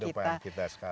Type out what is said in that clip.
kehidupan kita sekarang